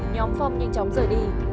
nhóm phong nhanh chóng rời đi